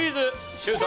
シュート！